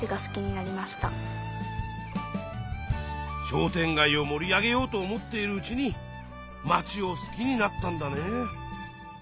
商店街をもり上げようと思っているうちに町を好きになったんだね。